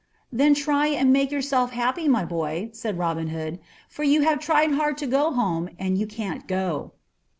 "Then try and make yourself happy, my boy," said Robin Hood, "for you have tried hard to go home, and you cannot go."